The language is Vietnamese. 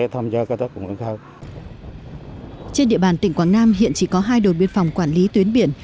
trên địa bàn tỉnh quảng nam hiện chỉ có hai đồn biên phòng quản lý tuyến biển